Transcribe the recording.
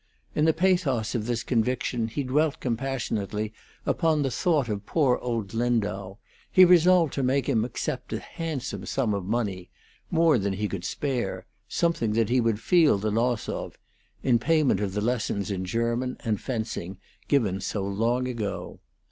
In the pathos of this conviction he dwelt compassionately upon the thought of poor old Lindau; he resolved to make him accept a handsome sum of money more than he could spare, something that he would feel the loss of in payment of the lessons in German and fencing given so long ago.